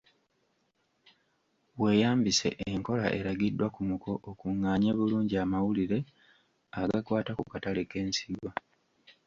Weeyambise enkola eragiddwa ku muko okunganye bulungi amawulire agakwata ku katale k’ensigo.